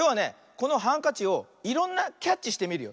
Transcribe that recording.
このハンカチをいろんなキャッチしてみるよ。